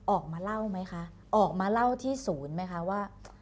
ออกมาเล่าที่ศูนย์ไหมค่ะ